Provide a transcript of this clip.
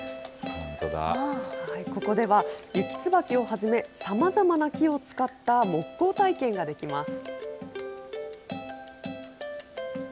ここではユキツバキをはじめ、さまざまな木を使った木工体験ができます。